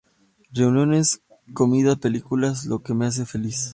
Reuniones, comida, películas... Lo que me hace feliz.